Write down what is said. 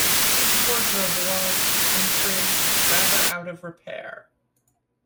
His wardrobe was, in truth, rather out of repair.